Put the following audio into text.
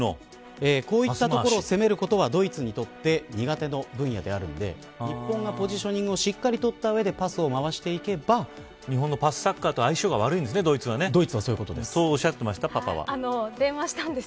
こういったところを攻めることはドイツにとって苦手の分野であるので日本がポジショニングをしっかり取った上で日本のパスサッカーと相性が悪いんですねドイツはね。と、おっしゃってましたパパは。